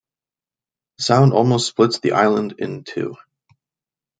The sound almost splits the island in two.